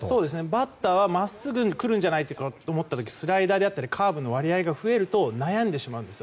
バッターは真っすぐに来るんじゃないかと思った時にスライダーであったりカーブの割合が増えると悩んでしまうんです。